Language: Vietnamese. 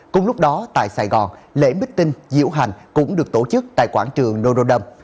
cùng lúc đó tại sài gòn lễ mít tinh diễu hành cũng được tổ chức tại quảng trường notre dame